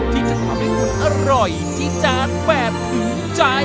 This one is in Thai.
ที่จะทำให้คุณอร่อยที่จานแบบถูกใจ